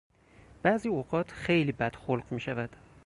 بعضی اوقات خیلی بدخلق میشود.